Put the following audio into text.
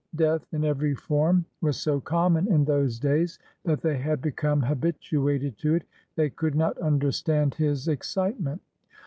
Death in every form was so common in those days that they had become habituated to it. They could not understand his excitement.